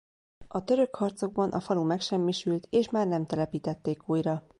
A török harcokban a falu megsemmisült és már nem telepítették újra.